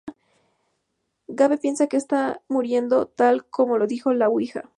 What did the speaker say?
Gabe piensa que está muriendo, tal como lo dijo la ouija.